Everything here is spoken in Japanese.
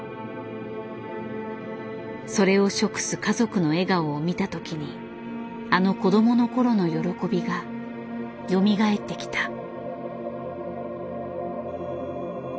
それを食す家族の笑顔を見た時にあの子供の頃の喜びがよみがえってきた。